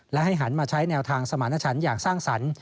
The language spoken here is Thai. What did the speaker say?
และให้หันมาใช้แนวทางสมารณชันอย่างสร้างสรรค์